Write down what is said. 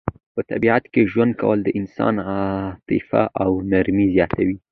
په طبیعت کې ژوند کول د انسان عاطفه او نرمي زیاتوي.